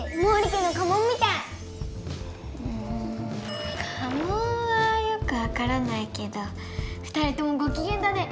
家紋はよくわからないけど２人ともごきげんだね！